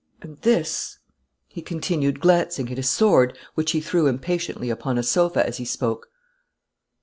And this," he continued, glancing at his sword, which he threw impatiently upon a sofa as he spoke.